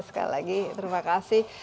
sekali lagi terima kasih